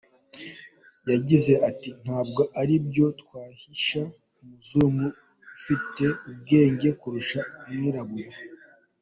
Yagize ati “Ntabwo ari ibyo twahisha, umuzungu afite ubwenge kurusha umwirabura.